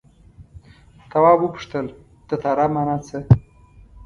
تواب وپوښتل تتارا مانا څه ده.